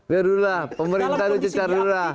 biarlah pemerintah itu cecah dulu lah